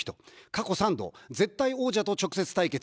過去３度、絶対王者と直接対決。